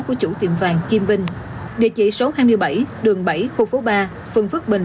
của chủ tiệm vàng kim vinh địa chỉ số hai mươi bảy đường bảy khu phố ba phương phước bình